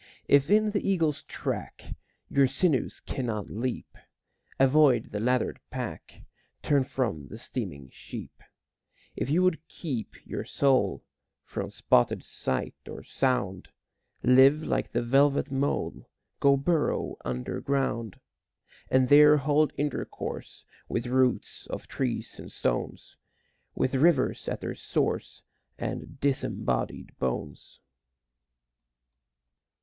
If in the eagle's track Your sinews cannot leap, Avoid the lathered pack, Turn from the steaming sheep. If you would keep your soul From spotted sight or sound, Live like the velvet mole; Go burrow underground. And there hold intercourse With roots of trees and stones, With rivers at their source, And disembodied bones.